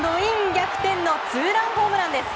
逆転のツーランホームランです。